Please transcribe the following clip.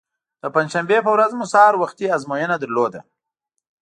د پنجشنبې په ورځ مو سهار وختي ازموینه درلوده.